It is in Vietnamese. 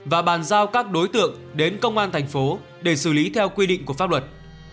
và bàn giao các đối tượng đến công an thành phố để xử lý theo quy định của pháp luật